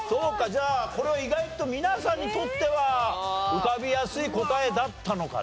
じゃあこれは意外と皆さんにとっては浮かびやすい答えだったのかな？